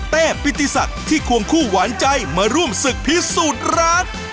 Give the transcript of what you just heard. แต่ปฏิสัตว์ที่ควงคู่หวานใจมาร่วมศึกพิสูจน์รัก